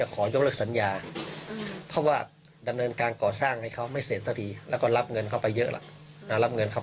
คุยกันไม่กี่คำนะครับ